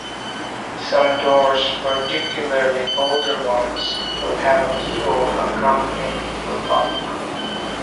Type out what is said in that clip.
Some doors, particularly older ones, will have a keyhole accompanying the lock.